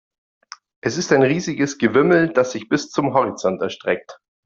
Es ist ein riesiges Gewimmel, das sich bis zum Horizont erstreckt.